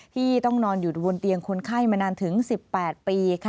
ที่ต้องนอนอยู่บนเตียงคนไข้มานานถึง๑๘ปี